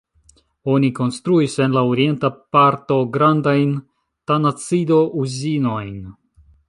Oni konstruis en la orienta parto grandajn tanacido-uzinojn.